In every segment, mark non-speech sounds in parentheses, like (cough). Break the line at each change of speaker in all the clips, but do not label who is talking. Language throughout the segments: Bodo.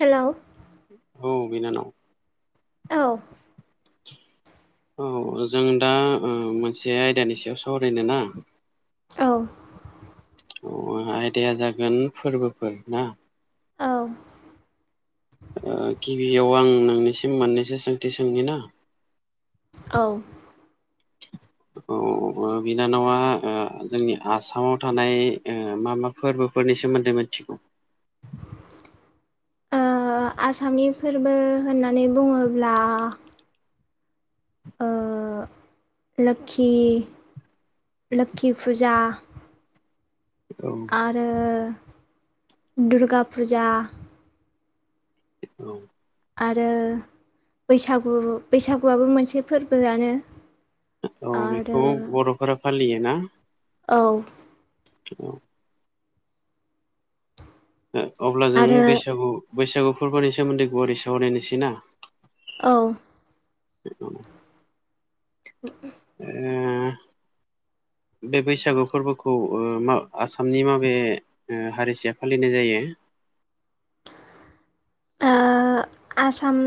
हेलौ
औ बिनानाव
औ
औ जों दा मोनसे आयदानि सायाव सावरायनो ना
औ।
अ आयदाया जागोन फोरबोफोर ना
औ।
ओ गिबियाव आं नोंनिसिम मोननैसो सोंथि सोंनि ना।
औ
औ बिनानावा ओ जोंनि आसामाव थानाय ओ मा मा फोरबो फोरनि सोमोन्दै मिथिगौ?
ओ आसामनि फोरबो होननानै बुङोब्ला ओह लोखि लोखि फुजा
औ
आरो दुरगा फुजा
(unintelligible)
आरो बैसागु बैसागुआबो मोनसे फोरबोआनो।
औ
आरो
बेखौ बर'फोरा फालियोना
औ
औ। ओ अब्ला जों
आरो
बैसागु बैसागु फोरबोनि सोमोन्दै गुवारै सावरायनोसै ना।
औ।
(unintelligible)
(inaudible)
उम।
(inaudible)
बे बैसागु फोरबोखौ आसामनि माबे ओ हारिसाया फालिनाय जायो?
ओ आसाम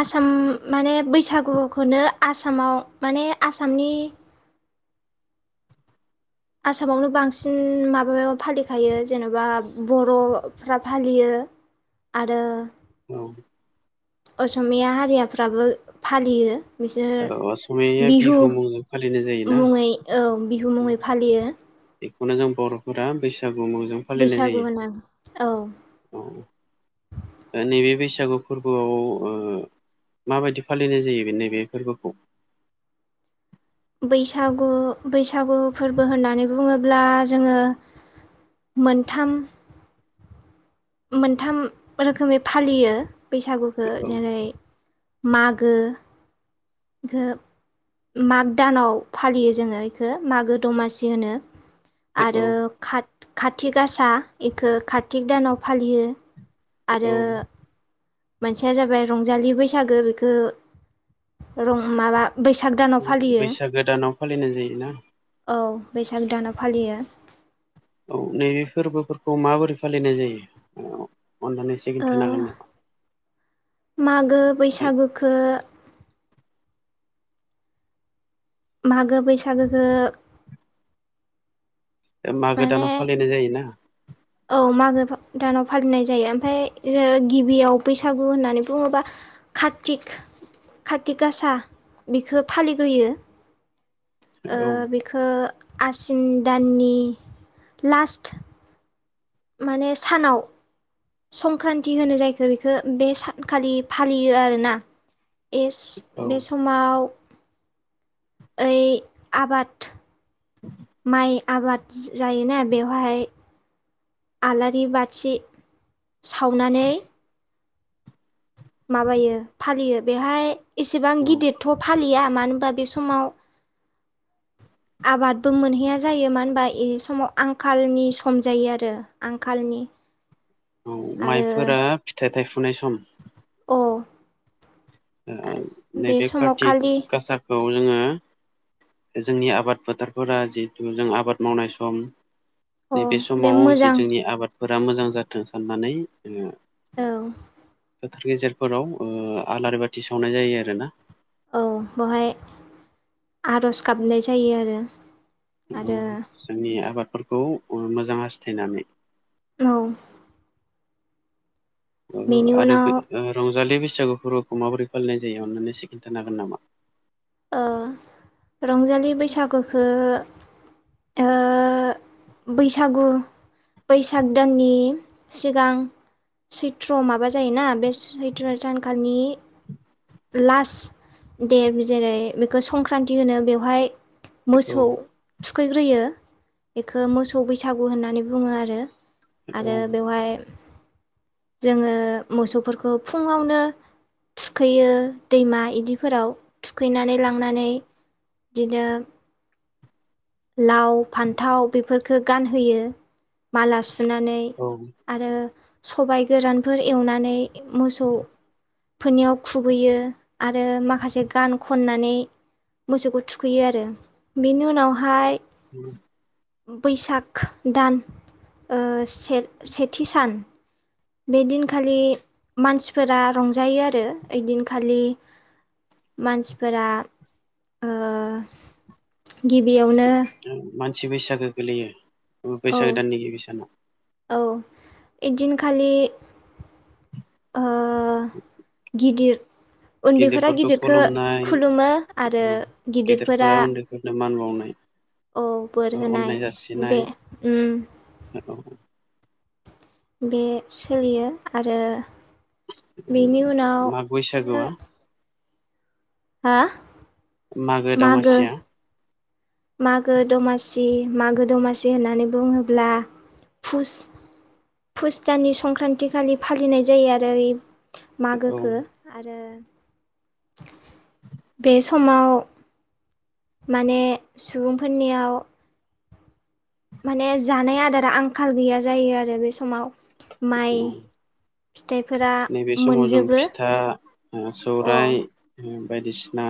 आसाम माने बैसागुखौनो आसामाव माने आसामनि (inaudible) आसामावनो बांसिन माबायाव फालिखायो जेनेबा बर'फ्रा फालियो। आरो
औ।
असमीया हारियाफ्राबो फालियो। बिसोरो
औ असमिया
बिहु
मुंजों फालिनाय जायोना
मुङै ओं बिहु मुङै फालियो।
बेखौनो जों बर'फोरा बैसाग (unintelligible) फालिनाय
बैसागु
जायो
होनो औ
औ दा नैबे बैसाग सागु फोरबोआव ओ माबायदि फालिनाय जायो बे नैबे फोरबोखौ?
(inaudible) बैसागु बैसागु फोरबो होननानै बुङोब्ला जोङो मोनथाम मोनथाम रोखोमै फालियो बैसागुखौ
औ
जेरै मागो खोब माग दानाव फालियो जोङो इखो मागो दमासि होनो।
औ
आरो खाथ खाथि गासा बेखौ कारतिक दानाव फालियो। आरो मोनसेया जाबाय रंजालि बैसागो बेखो रं माबा बैसाग दानाव फालियो
बैसागो दानाव फालिनाय जायोना
औ। बैसाग दानाव फालियो।
औ नैबे फोरबोफोरखौ माबोरै फालिनाय जायो? अननानै एसे
ओ
खोनथानो हागोन नामा?
मागो बैसागोखौ मागो बैसागोखो
मागो दानाव फालिनाय जायोना।
औ मागो दानाव फालिनाय जायो ओमफ्राय गिबियाव बैसागु होननानै बुङोबा कार्तिक कार्ति गासा बेखौ फालिग्रोयो। ओ
औ
बेखो आसिन दाननि लास्ट माने सानाव संक्रान्ति होनो जायखौ बेखो बे सानखालि फालियो आरोना। एस
औ
बे समाव ओइ आबाद माइ आबाद जायोना बेवहाय आलारि बाथि सावनानै माबायो फालियो बेहाय एसेबां
औ
गिदिरथ' फालिया मानो होनबा बे समाव (inaudible) आबादबो मोनहैया जायो मानो होनबा बे समाव आंखालनि सम जायो आरो आंखालनि। (inaudible)
औ माइफोरा फिथाइ थायफुनाय सम।
औ
नैबे कार्ति
खालि
गासाखौ जोङो जोंनि आबाद फोथारफोरा जिहेथु जों आबाद मावनाय सम
अ
नैबे
बे
समाव जि
मोजां
जोंनि आबादफोरा मोजां जाथों साननानै
औ।
फोथार गेजेरफोराव ओ आलारि बाथि सावनाय जायो आरो ना।
औ बेहाय आर'ज गाबनाय जायो आरो।
औ
आरो
जोंनि आबादफोरखौ मोजां हासथायनानै
औ बेनि
आरो
उनाव
रंजालि बेसे (unintelligible) माबोरै फालिनाय जायो अन्नानै एसे खोन्थानो हागोन नामा?
ओ रंजालि बैसागुखौ ओ बैसागु बैसाग दाननि सिगां सैत्र माबा जायोना बे सैत्र सान लास दे बि जेरै बेखौ संक्रान्ति होनो बेवहाय
औ
मोसौ थुखैग्रोयो। बेखौ मोसौ बैसागु होननानै बुङो आरो।
औ
आरो बेवहाय जोङो मोसौफोरखौ फुङावनो थुखैयो दैमा इदिफोराव थुखैनानै लांनानै बिदिनो लाव फान्थाव बेफोरफोरखौ गानहोयो माला सुनानै
औ
आरो सबाइ गोरानफोर एवनानै मोसौ फोरनियाव खुबैयो आरो माखासे गान खननानै मोसौखौ थुखैयो आरो बेनि उनावहाय
(inaudible)
बैसाग दान ओ से सेथि सान बेदिनखालि मानसिफोरा रंजायो आरो ओइदिनखालि (inaudible) मानसिफोरा ओ गिबियावनो
मोनसे बैसागो गोलैयो
औ
बैसागो दाननि गिबि सानाव
औ एकदिनखालि उम गिदिर उन्दैफोरा
गिदिरफोरखौ
गिदिरखो
खुलुमनाय
खुलुमो आरो गिदिरफोरा
गेदेरफोरा उन्दैफोरनो मान उम
औ बोर होनाय
अननाय
बे
जासिनाय
उम
औ
बे सोलियो आरो बेनि उनाव
माग
बिदिनो
बैसागुआ
हा
मागो दमासिया
मागो दमासि मागो दमासि होननानै बुङोब्ला फुस फुस दाननि संक्रान्ति खालि फालिनाय जायो आरो
औ
मागोखौ आरो बे समाव माने सुबुंफोरनियाव माने जानाय आदारा आंखाल गैया जायो आरो बे समाव माइ फिथाइफोरा
नैबे समाव जों
मोनजोबो अ
फिथा सौराय बायदिसिना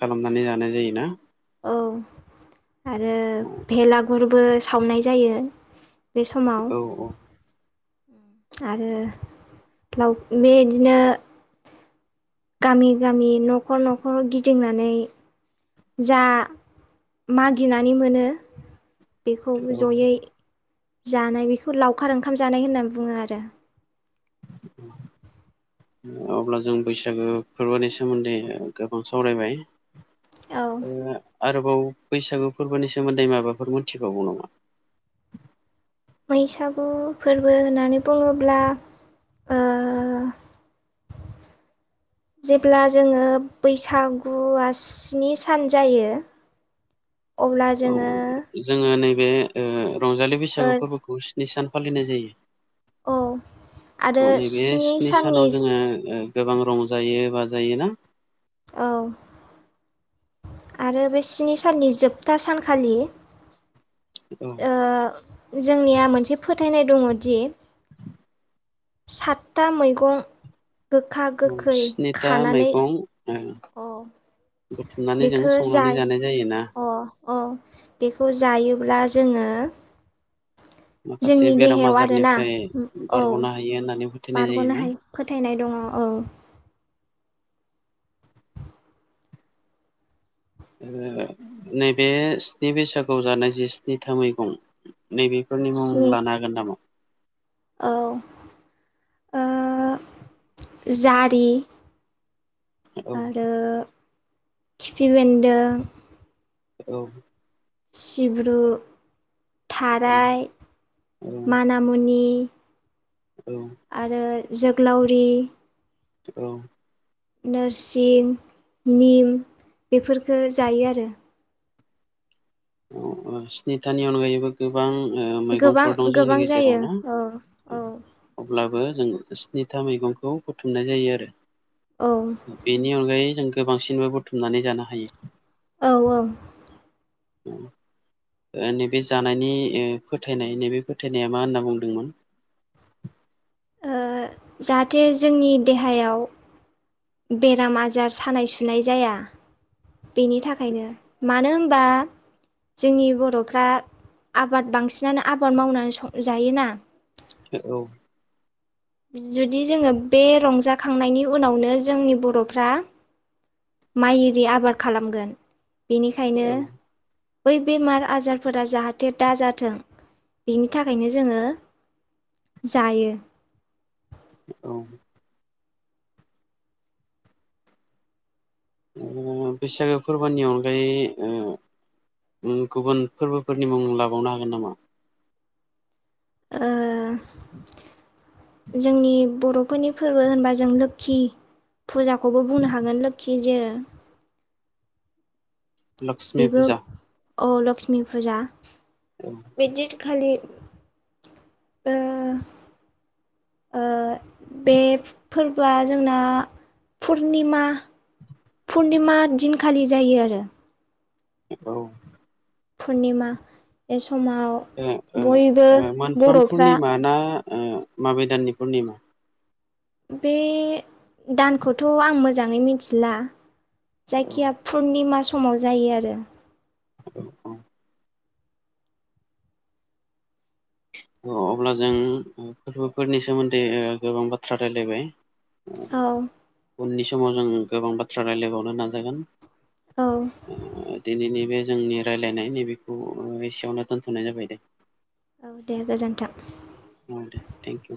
खालामनानै जानाय जायोना?
औ आरो
औ
भेलागुरबो सावनाय जायो। बे समाव
औ
आरो लाव बे बिदिनो गामि गामि न'खर न'खर गिदिंनानै जा मागिनानै मोनो बेखौ
औ
जयै जानाय बेखौ लावखार ओंखाम जानाय होननानै बुङो आरो (inaudible)
अब्ला जों बैसागो फोरबोनि सोमोन्दै गोबां सावरायबाय।
औ
आरोबाव बैसागु फोरबोनि सोमोन्दै माबाफोर मोनथिबावगौ नामा?
बैसागु फोरबो होननानै बुङोब्ला ओ जेब्ला जोङो बैसागुआ स्नि सान जायो अब्ला
औ
जोङो
जोङो नैबे ओ रंजालि
ओ
बैसागु फोरबोखौ स्नि सान फालिनाय जायो
औ आरो
नैबे स्नि
साननि
सानाव जोङो गोबां रंजायो बाजायो ना
औ आरो बे स्नि साननि जोबथा सानखालि
औ
ओ जोंनिया मोनसे फोथायनाय दङदि सातथा मैगं गोखा
औ
गोखै
स्निथा
खानानै
मैगं ओ
औ
बुथुमनानै जों
बेखो
संनानै
जाय
जानाय जायोना
अ अ बेखौ जायोब्ला जोङो
माखासे
जोंनि
बेराम
देहायाव आरोना
आजारनिफ्राय
औ
बारग'नो हायो होननानै फोथायनाय
बारग'नो
जायोना
हाय फोथायनाय दङ औ
नैबे स्नि बैसागुआव जानाय जि स्नि था मैगं नैबेफोरनि मुं
स्नि
लानो हागोन नामा
औ जारि
औ
आरो खिफि बेन्दों
औ
सिब्रु थाराय
औ
मानामुनि आरो जोगलावरि
औ
नोरसिं निम बेफोरफोरखो जायो आरो
स्निथानि अनगायैबो गोबां
गोबां
मैगंफोर दं जोंनि
गोबां
गेजेराव
जायो औ
न
औ
अब्लाबो जों स्निथा मैगंखौ बुथुमनाय जायो आरो
औ
बेनि अनगायै जों गोबांसिनबो बुथुमनानै जानो हायो
औ औ
नैबे जानायनि फोथायनाय नैबे फोथायनाया मा होनना बुंदोंमोन
ओ जाहाथे जोंनि देहायाव बेराम आजार सानाय सुनाय जाया। बेनि थाखायनो मानो होनबा जोंनि बर'फ्रा आबाद बांसिनानो आबाद मावनानै सं जायोना।
औ
जुदि जोङो बे रंजाखांनायनि उनावनो जोंनि बर'फ्रा माइ आरि आबाद खालामगोन बेनिखायनो
औ
बै बेमार आजारफोरा जाहाथे दा जाथों बेनि थाखायनो जोङो जायो
औ बैसागो फोरबोनि अनगायै ओ उम गुबुन फोरबोफोरनि मुं लाबावनो हागोन नामा
ओ
(inaudible)
जोंनि बर'फोरनि फोरबो होनबा जों लोखि फुजाखौबो बुंनो हागोन लोखि जेरो
लक्ष्मि फुजा
औ लक्ष्मि फुजा बे दिन खालि ओ ओ बे फोरबोआ जोंना पुर्निमा पुर्निमा दिनखालि जायो आरो
औ
पुर्निमा एस
ओ ओ मोनफ्रोम
बर'फ्रा
पुर्निमा ना ओ माबे दाननि पुर्निमा?
बे दानखौथ' आं मोजाङै मिथिला
औ
जायखिया पुर्निमा समाव जायो आरो
औ औ अब्ला जों फोरबोफोरनि सोमोन्दै गोबां बाथ्रा रायलायबाय
औ
उननि समाव जों गोबां बाथ्रा रायलायबावनो नाजागोन।
औ
ओ दिनैनि बे जोंनि रायज्लायनाय नैबेखौ एसेयावनो दोनथ'नाय जाबाय दे।
औ दे गोजोन्थों
औ दे थेंक इउ।